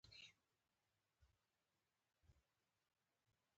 چې د سیند پاس خوا ته تلل، نور نو پر سړک.